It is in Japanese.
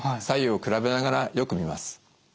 左右を比べながらよく見ます。